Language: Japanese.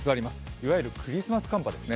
いわゆるクリスマス寒波ですね。